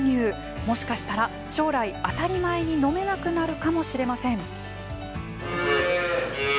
もしかしたら、将来、当たり前に飲めなくなるかもしれません。